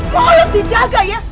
mulut dijaga ya